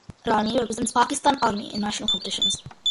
Rani represents Pakistan Army in national competitions.